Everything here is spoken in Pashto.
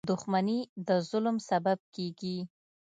• دښمني د ظلم سبب کېږي.